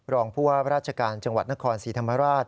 รองพวกรัชกาลนครสีธรรมราช